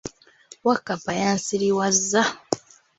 Wakkapa yansiriwazza!